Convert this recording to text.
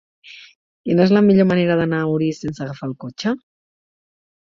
Quina és la millor manera d'anar a Orís sense agafar el cotxe?